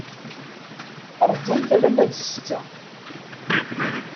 Rjumt alamma d ssetta.